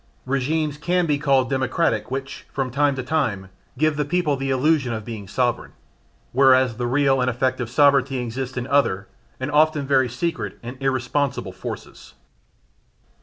Regimes can be called democratic which, from time to time, give the people the illusion of being sovereign, whereas the real and effective sovereignty exists in other, and very often secret and irresponsible forces.